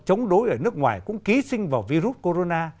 chống đối ở nước ngoài cũng ký sinh vào virus corona